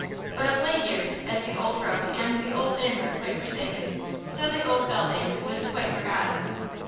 But of late years, as the old road and the old inn were quite forsaken, so the old beldame was quite forgotten.